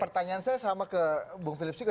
pertanyaan saya sama ke bung philips juga